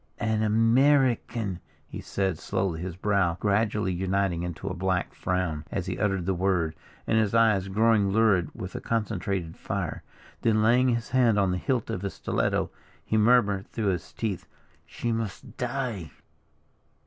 "An American," he said, slowly, his brow gradually uniting into a black frown, as he uttered the word, and his eye growing lurid with a concentrated fire, then laying his hand on the hilt of his stiletto, he murmured through his set teeth, "She must die."